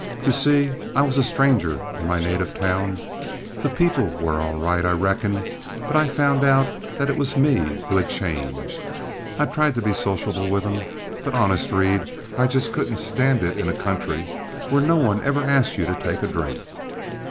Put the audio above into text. You see I was a stranger in my native town. The people were all right, I reckon, but I found out that it was me who had changed. I tried to be sociable with them, but honest, Reed, I just couldn't stand it in a country where no one ever asked you to take a drink."